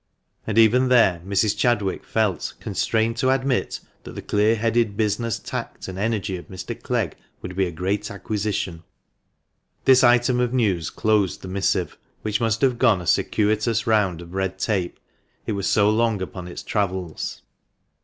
And even there Mrs. Chadwick felt " constrained to admit that the clear head, business tact, and energy of Mr. Clegg would be a great acquisition." This item of news closed the missive, which must have gone a circuitous round of red tape it was so long upon its travels.